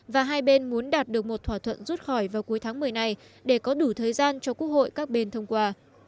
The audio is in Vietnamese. và hai bên muốn đạt được một thỏa thuận rút khỏi vào cuối tháng một mươi này để có đủ thời gian cho quốc hội các bên thông qua